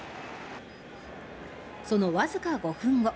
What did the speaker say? そのわずか５分後。